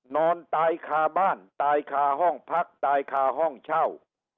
นอนตายคาบ้านตายคาห้องพักตายคาห้องเช่า